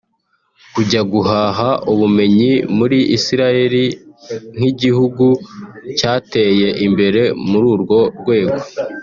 kujya guhaha ubumenyi muri Israel nk’igihugu cyateye imbere muri urwo rwego